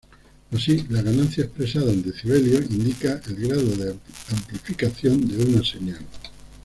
Así, la ganancia, expresada en decibelios, indica el grado de amplificación de una señal.